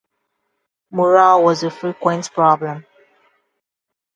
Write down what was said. Morale was a frequent problem.